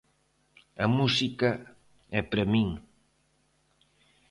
A musica é para min...